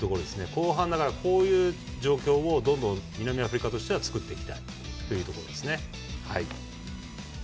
後半、こういう状況をどんどん南アフリカとしては作っていきたいところですね。